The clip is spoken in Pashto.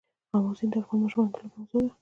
آمو سیند د افغان ماشومانو د لوبو موضوع ده.